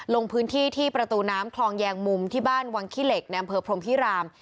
ลงพื้นที่ที่ประตูน้ำคลองแยงมุมที่บ้านวังขี้เหล็กในอำเภอพรมพิราม